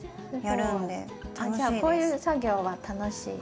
じゃあこういう作業は楽しい？